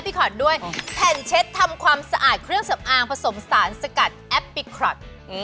ขอดด้วยแผ่นเช็ดทำความสะอาดเครื่องสำอางผสมสารสกัดแอปปิครอต